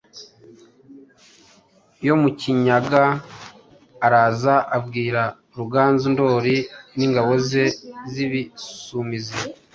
yo mukinyaga , araza abwira Ruganzu Ndoli n'ingabo ze z'ibisumizi